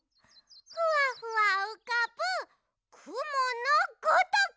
ふわふわうかぶくものごとく！